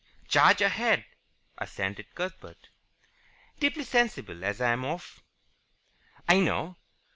"Charge right ahead," assented Cuthbert. "Deeply sensible as I am of " "I know.